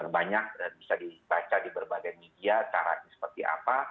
banyak bisa dibaca di berbagai media cara ini seperti apa